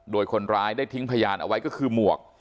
โดยคนร้ายได้ทิ้งพยานเอาไว้ก็คือหมวก